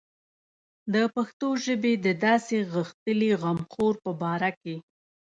د پښتو ژبې د داسې غښتلي غمخور په باره کې.